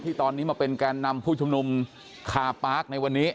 ตอนนี้มาเป็นแกนนำผู้ชุมนุมคาปาร์คในวันนี้